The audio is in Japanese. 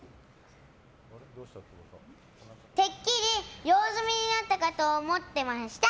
てっきり用済みになったかと思ってました。